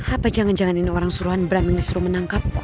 apa jangan jangan ini orang suruhan beram yang disuruh menangkapku